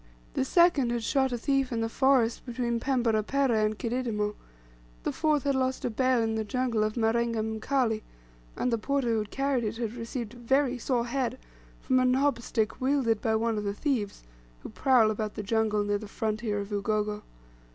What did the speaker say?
The second had shot a thief in the forest between Pembera Pereh and Kididimo; the fourth had lost a bale in the jungle of Marenga Mkali, and the porter who carried it had received a "very sore head" from a knob stick wielded by one of the thieves, who prowl about the jungle near the frontier of Ugogo.